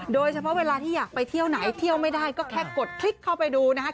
เวลาที่อยากไปเที่ยวไหนเที่ยวไม่ได้ก็แค่กดคลิกเข้าไปดูนะครับ